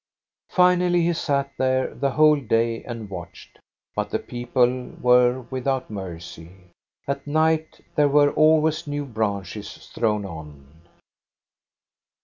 Finally he sat there the whole day and watched ; but the people were without mercy. At night there were always new branches thrown on.